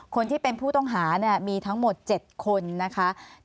คนที่เป็นผู้ต้องหามีทั้งหมด๗คนนะคะ